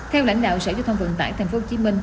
theo lãnh đạo sở giao thông vận tải tp hcm